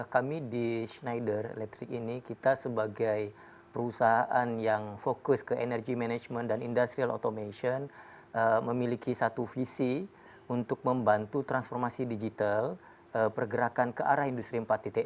kami di schneider electric ini kita sebagai perusahaan yang fokus ke energy management dan industrial automation memiliki satu visi untuk membantu transformasi digital pergerakan ke arah industri empat